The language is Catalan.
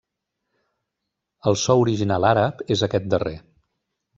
El so original àrab és aquest darrer.